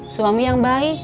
suami yang baik